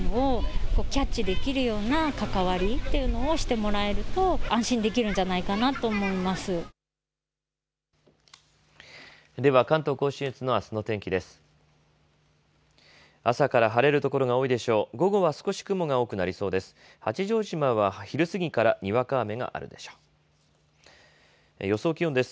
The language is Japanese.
午後は少し雲が多くなりそうです。